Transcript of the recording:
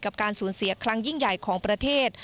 กับการศูนย์เสียคลังยิ่งใหญ่ของประเทศ